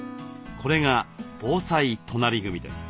これが防災隣組です。